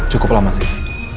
cukup lama sih